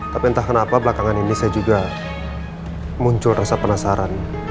tapi entah kenapa belakangan ini saya juga muncul rasa penasaran